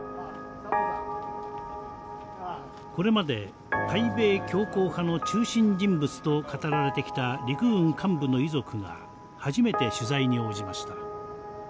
これまで対米強硬派の中心人物と語られてきた陸軍幹部の遺族が初めて取材に応じました。